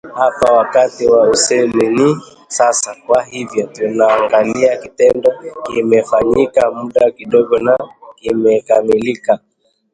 Hapa wakati wa usemi ni sasa, kwa hivyo tunaangalia kitendo kimefanyika muda kidogo na kimekamilika